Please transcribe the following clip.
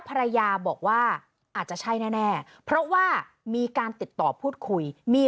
ภรรยาบอกว่าอาจจะใช่แน่เพราะว่ามีการติดต่อพูดคุยมี